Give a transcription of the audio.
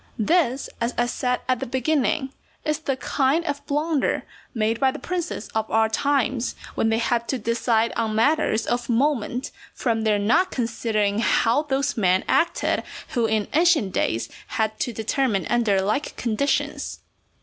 This, as I said at the beginning, is the kind of blunder made by the princes of our times when they have to decide on matters of moment, from their not considering how those men acted who in ancient days had to determine under like conditions.